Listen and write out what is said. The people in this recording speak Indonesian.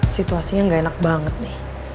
situasinya nggak enak banget nih